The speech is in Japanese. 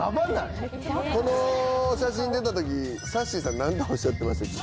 この写真出た時さっしーさん何ておっしゃってましたっけ？